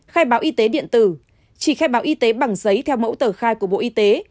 khai báo y tế điện tử chỉ khai báo y tế bằng giấy theo mẫu tờ khai của bộ y tế